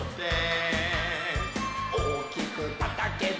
「おっきくたたけば」